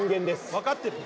分かってるよ。